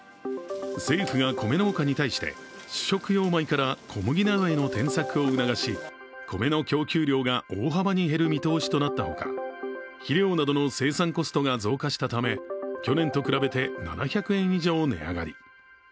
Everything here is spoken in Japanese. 政府が米農家に対して主食用米から小麦などの転作を促し米の供給量が大幅に減る見通しとなったほか肥料などの生産コストが増加したため去年と比べて７００円以上値上がり。